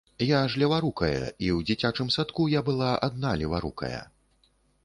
Я ж леварукая, і ў дзіцячым садку я была адна леварукая.